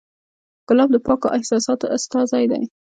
ګلاب د پاکو احساساتو استازی دی.